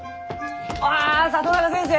ああ里中先生！